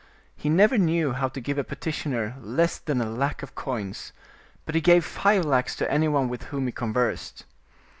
He never knew how to give a petitioner less than a lac of coins, but he gave five lacs to anyone with whom he conversed.